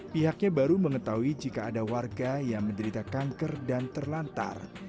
pihaknya baru mengetahui jika ada warga yang menderita kanker dan terlantar